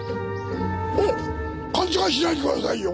おっ勘違いしないでくださいよ。